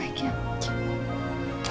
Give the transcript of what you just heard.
jangan melakukan sedih ya